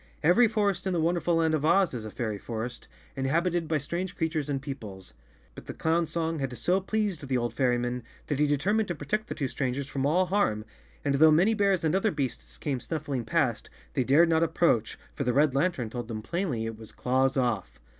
Every forest in the wonderful land of Oz is a fairy forest, in¬ habited by strange creatures and peoples. But the clown's song had so pleased the old fairyman that he determined to protect the two strangers from all harm, and though many bears and other beasts came snuffling past, they dared not approach, for the red lan¬ tern told them plainly it was " Claws off."